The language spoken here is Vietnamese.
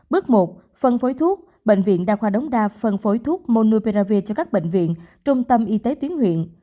bước một phân phối thuốc bệnh viện đa khoa đống đa phân phối thuốc monouperav cho các bệnh viện trung tâm y tế tuyến huyện